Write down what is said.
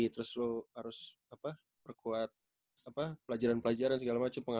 terus lo harus perkuat pelajaran pelajaran segala macem